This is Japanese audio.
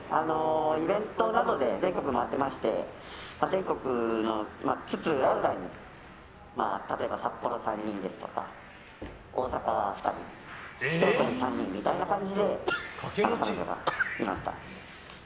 イベントなどで全国回っていまして全国津々浦々に、例えば札幌３人ですとか大阪２人とか、京都３人みたいな感じでいました。